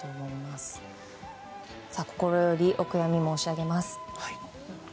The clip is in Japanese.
心よりお悔やみ申し上げます。